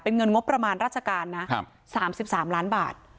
เป็นเงินงบประมาณราชการน่ะครับสามสิบสามล้านบาท